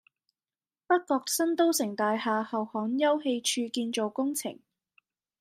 北角新都城大廈後巷休憩處建造工程